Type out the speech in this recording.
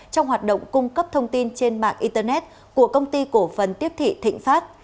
trong hoạt động cung cấp thông tin trên mạng internet của công ty cổ phần tiếp thị thịnh pháp